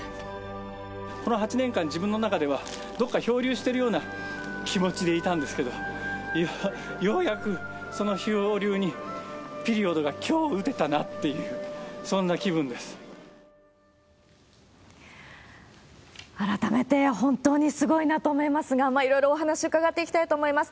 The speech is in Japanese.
この８年間、自分の中では、どこか漂流してるような気持ちでいたんですけど、ようやくその漂流にピリオドがきょう打てたなっていう、そんな気改めて、本当にすごいなと思いますが、いろいろお話伺っていきたいと思います。